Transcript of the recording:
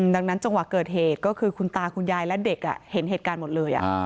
ดังนั้นจังหวะเกิดเหตุก็คือคุณตาคุณยายและเด็กเห็นเหตุการณ์หมดเลย